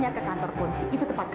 ya sudah ya sudah